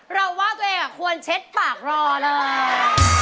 เราว่าตัวเองควรเช็ดปากรอเลย